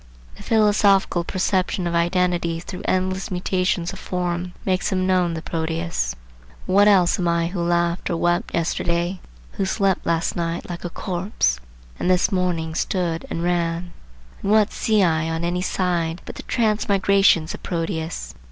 The philosophical perception of identity through endless mutations of form makes him know the Proteus. What else am I who laughed or wept yesterday, who slept last night like a corpse, and this morning stood and ran? And what see I on any side but the transmigrations of Proteus?